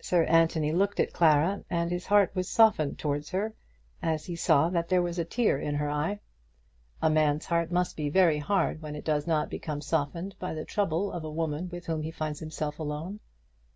Sir Anthony looked at Clara, and his heart was softened towards her as he saw that there was a tear in her eye. A man's heart must be very hard when it does not become softened by the trouble of a woman with whom he finds himself alone.